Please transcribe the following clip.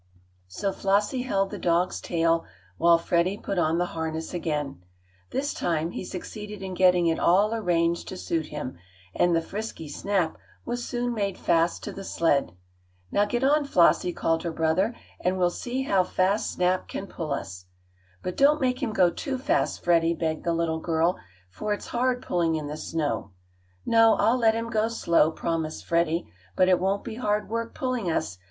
So Flossie held the dog's tail, while Freddie put on the harness again. This time he succeeded in getting it all arranged to suit him, and the frisky Snap was soon made fast to the sled. "Now get on, Flossie," called her brother, "and we'll see how fast Snap can pull us." "But don't make him go too fast, Freddie," begged the little girl. "For it's hard pulling in the snow." "No, I'll let him go slow," promised Freddie. "But it won't be hard work pulling us.